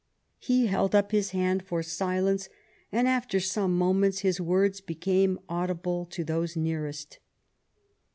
He held up his hand for silence and after some moments his words became audible to those nearest.